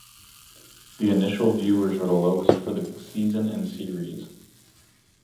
The initial viewers were the lowest for the season and series.